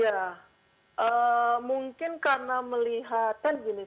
setiap hari itu gugus tugas melaporkan pertambahan jumlah kasus baru secara nasional